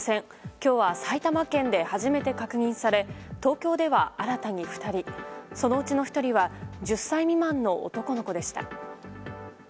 今日は埼玉県で初めて確認され東京では新たに２人そのうちの１人は１０歳未満の男の子でした。